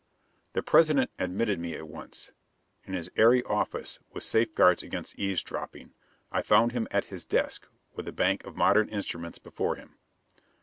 The President admitted me at once. In his airy office, with safeguards against eavesdropping, I found him at his desk with a bank of modern instruments before him.